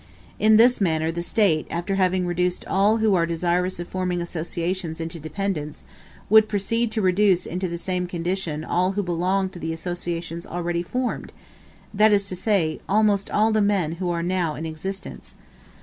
In this manner, the State, after having reduced all who are desirous of forming associations into dependence, would proceed to reduce into the same condition all who belong to associations already formed that is to say, almost all the men who are now in existence.